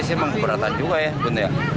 sih emang keberatan juga ya